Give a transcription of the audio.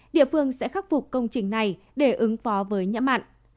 địa phương sẽ khắc phục công trình này để ứng phó với nhiễm mặn